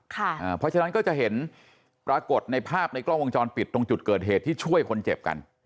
เพราะฉะนั้นก็จะเห็นปรากฏในภาพในกล้องวงจรปิดตรงจุดเกิดเหตุที่ช่วยคนเจ็บกัน